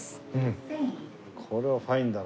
これはファインだな。